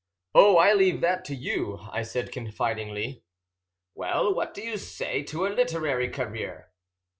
"Oh, I leave that to you," I said confidingly. "Well, what do you say to a literary career?"